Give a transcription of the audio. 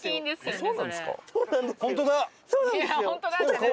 そうなんですか。